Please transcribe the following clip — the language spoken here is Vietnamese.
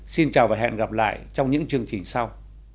xin chào và hẹn gặp lại trong những chương trình sau